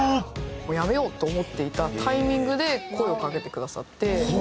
もうやめようと思っていたタイミングで声をかけてくださって。